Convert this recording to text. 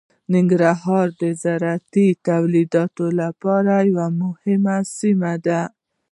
ننګرهار د زراعتي تولیداتو لپاره یوه مهمه سیمه ده.